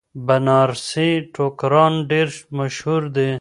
بنارسي ټوکران ډیر مشهور دي.